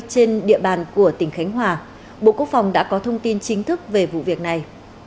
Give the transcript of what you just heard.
trên địa bàn của tỉnh khánh hòa bộ quốc phòng đã có thông tin chính thức về vụ việc này